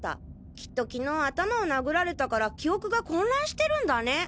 きっときのう頭を殴られたから記憶が混乱してるんだね。